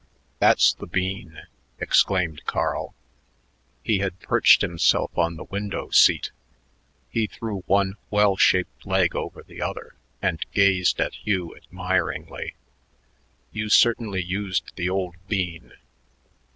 "That's the bean," exclaimed Carl, He had perched himself on the window seat. He threw one well shaped leg over the other and gazed at Hugh admiringly. "You certainly used the old bean.